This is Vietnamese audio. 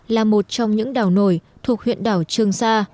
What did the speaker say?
là một trong những đảo nổi thuộc huyện đảo trường sa